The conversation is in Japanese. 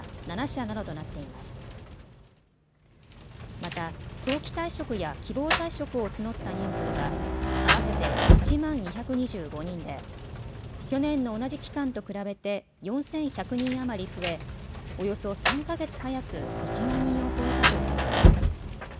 また早期退職や希望退職を募った人数は合わせて１万２２５人で去年の同じ期間と比べて４１００人余り増え、およそ３か月早く１万人を超えたということです。